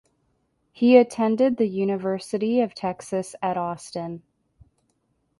He attended the University of Texas at Austin.